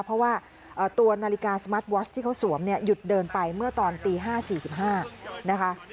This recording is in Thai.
เพราะว่าตัวนาฬิกาสมาร์ทวอชที่เขาสวมเนี่ยหยุดเดินไปเมื่อตอนตี๕๔๕นะคะ